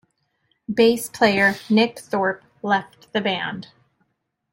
Bass player Nick Thorp left the band.